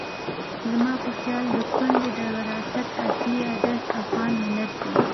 زما په خیال د کونډې د وراثت اصلي ادرس افغان ملت دی.